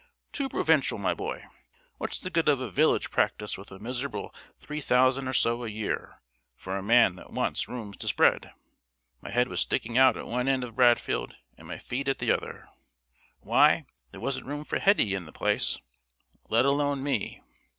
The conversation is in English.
"Too provincial, my boy! What's the good of a village practice with a miserable three thousand or so a year for a man that wants room to spread? My head was sticking out at one end of Bradfield and my feet at the other. Why, there wasn't room for Hetty in the place, let alone me!